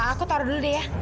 aku taruh dulu deh ya